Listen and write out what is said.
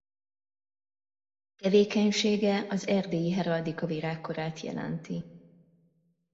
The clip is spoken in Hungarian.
Tevékenysége az erdélyi heraldika virágkorát jelenti.